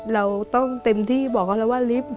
เราต้องเต็มที่บอกเขาแล้วว่าลิฟต์